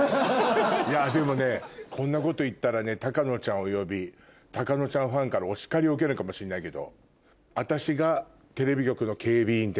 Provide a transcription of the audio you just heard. いやでもねこんなこと言ったら高野ちゃんおよび高野ちゃんファンからお叱りを受けるかもしんないけど。